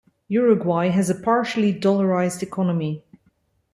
Uruguay has a partially dollarized economy.